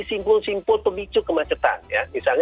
simpul simpul pemicu kemacetan ya misalnya